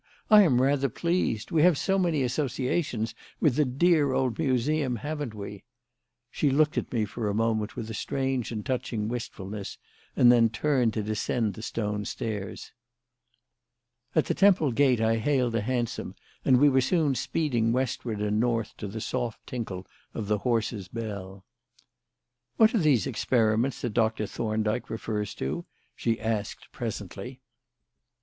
"I am rather pleased. We have so many associations with the dear old Museum, haven't we?" She looked at me for a moment with a strange and touching wistfulness and then turned to descend the stone stairs. At the Temple gate, I hailed a hansom and we were soon speeding westward and north to the soft tinkle of the horse's bell. "What are these experiments that Doctor Thorndyke refers to?" she asked presently.